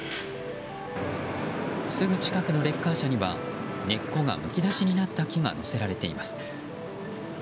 すぐ近くのレッカー車には根っこがむき出しになった木が載せられています。